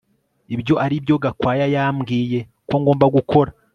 Ibyo aribyo Gakwaya yambwiye ko ngomba gukora